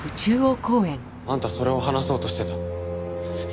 あんたそれを話そうとしてた。